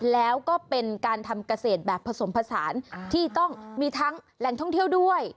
แล้วก็เป็นการทำเกษตรแบบผสมผสานที่ต้องมีทั้งแหล่งท่องเที่ยวด้วย